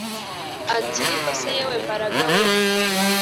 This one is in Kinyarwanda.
ati ni kose yewe mbaraga we